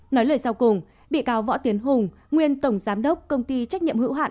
nói lời sau cùng bị cáo võ tiến hùng nguyên tổng giám đốc công ty trách nhiệm hữu hạn